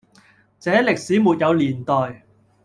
這歷史沒有年代，